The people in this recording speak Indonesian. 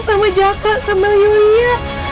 sama jaka sama yulia